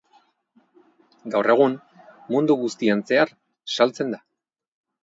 Gaur egun, mundu guztian zehar saltzen da.